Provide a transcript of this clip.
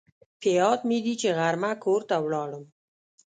په یاد مې دي چې غرمه کور ته ولاړم